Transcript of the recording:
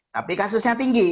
tapi kasusnya tinggi